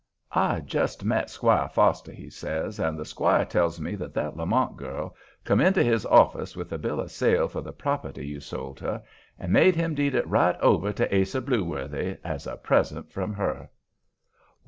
"I just met Squire Foster," he says, "and the squire tells me that that Lamont girl come into his office with the bill of sale for the property you sold her and made him deed it right over to Ase Blueworthy, as a present from her."